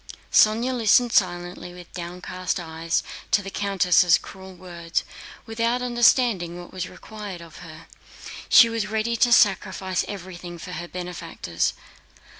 Sónya listened silently with downcast eyes to the countess' cruel words, without understanding what was required of her. She was ready to sacrifice everything for her benefactors.